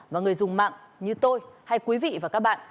và người dùng mạng như tôi hay quý vị và các bạn